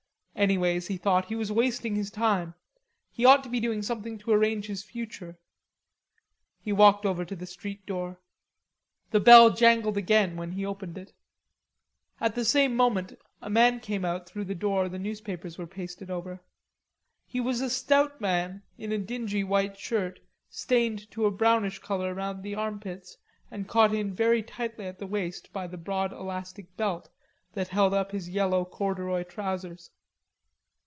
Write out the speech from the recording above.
Anyways, he thought, he was wasting his time; he ought to be doing something to arrange his future. He walked over to the street door. The bell jangled again when he opened it. At the same moment a man came out through the door the newspapers were pasted over. He was a stout man in a dirty white shirt stained to a brownish color round the armpits and caught in very tightly at the waist by the broad elastic belt that held up his yellow corduroy trousers.